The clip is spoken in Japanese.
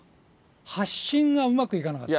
発信がうまくいかなかった。